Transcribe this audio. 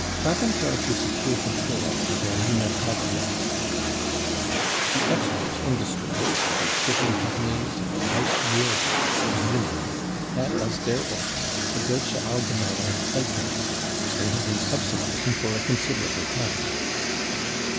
Papen tried to secure control of the Berliner Tageblatt The export industries, the big shipping companies and the ... Reich Railways (Siemens) had as their organ the Deutsche ■ Allgemeine Zdtung, which they had been subsidising for a considerable time.